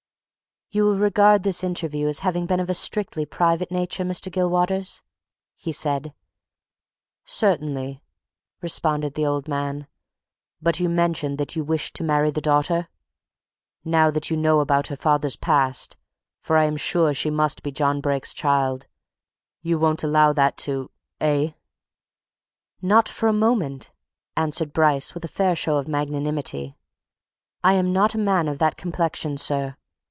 "You will regard this interview as having been of a strictly private nature, Mr. Gilwaters?" he said. "Certainly!" responded the old man. "But you mentioned that you wished to marry the daughter? Now that you know about her father's past for I am sure she must be John Brake's child you won't allow that to eh?" "Not for a moment!" answered Bryce, with a fair show of magnanimity. "I am not a man of that complexion, sir.